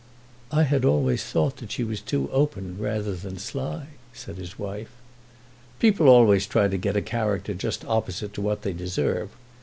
"I had always thought that she was too open rather than sly," said his wife. "People always try to get a character just opposite to what they deserve.